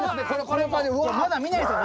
まだ見ないんですか？